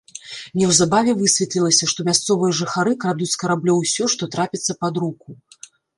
Неўзабаве высветлілася, што мясцовыя жыхары крадуць з караблёў усё, што трапіцца пад руку.